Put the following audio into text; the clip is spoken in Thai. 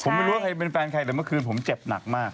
ผมไม่รู้ว่าใครเป็นแฟนใครแต่เมื่อคืนผมเจ็บหนักมาก